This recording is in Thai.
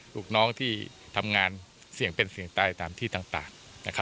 ลูกน้องที่ทำงานเสี่ยงเป็นเสี่ยงตายตามที่ต่าง